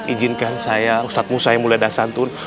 ijinkan saya ustaz musa mulla dasanthun